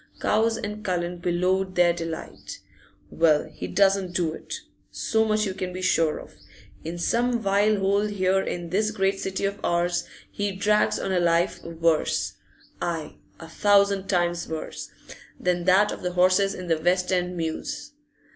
Cowes and Cullen bellowed their delight. 'Well, he doesn't do it; so much you can be sure of. In some vile hole here in this great city of ours he drags on a life worse aye, a thousand times worse! than that of the horses in the West end mews.